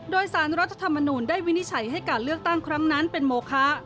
โดยสารรัฐธรรมนูลได้วินิจฉัยให้การเลือกตั้งครั้งนั้นเป็นโมคะ